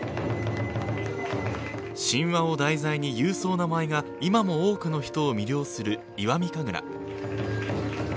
神話を題材に勇壮な舞が今も多くの人を魅了する石見神楽。